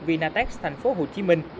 vinatex thành phố hồ chí minh